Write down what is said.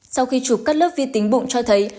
sau khi chụp các lớp vi tính bụng cho thấy